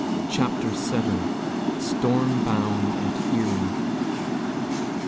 CHAPTER VII. STORM BOUND AT ERIE.